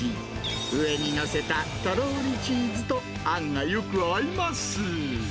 上に載せたとろーりチーズとあんがよく合います。